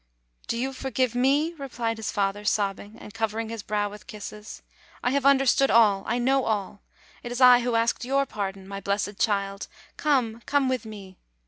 "Do you forgive me!" replied his father, sobbing, and covering his brow with kisses. : 'I have under stood all, I know all; it is I who asked your pardon, my blessed child; come, come with me!"